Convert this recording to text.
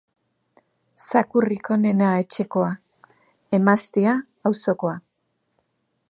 Zakurrik onena etxekoa: emaztea auzokoa.